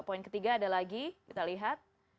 poin ketiga ada lagi kita lihat